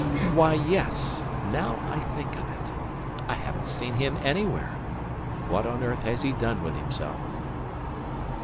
"Why, yes! Now I think of it. I haven't seen him anywhere. What on earth has he done with himself?"